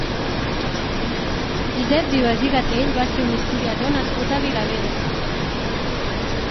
Josep Vives i Gatell va ser un historiador nascut a Vilabella.